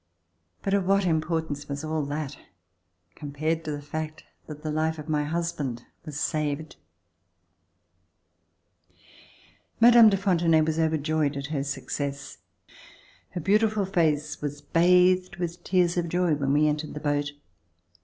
But of what importance was all that compared to the fact that the life of my husband was saved ! Mme. de Fontenay was overjoyed at her success. Her beautiful face was bathed with tears of joy when we entered the boat.